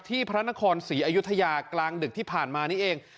พระนครศรีอยุธยากลางดึกที่ผ่านมานี้เอง